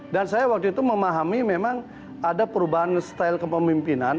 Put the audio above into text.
saya waktu itu memahami memang ada perubahan style kepemimpinan